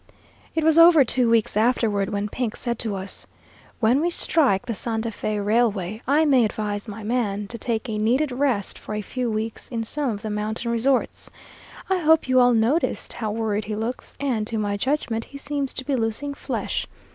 "It was over two weeks afterward when Pink said to us, 'When we strike the Santa Fé Railway, I may advise my man to take a needed rest for a few weeks in some of the mountain resorts. I hope you all noticed how worried he looks, and, to my judgment, he seems to be losing flesh.